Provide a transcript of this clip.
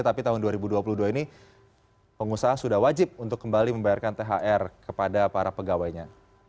tapi tahun dua ribu dua puluh dua ini pengusaha sudah wajib untuk kembali membayarkan thr kepada para pegawainya